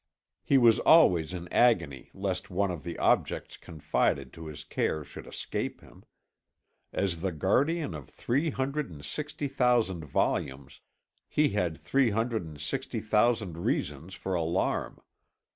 He was always in agony lest one of the objects confided to his care should escape him. As the guardian of three hundred and sixty thousand volumes, he had three hundred and sixty thousand reasons for alarm.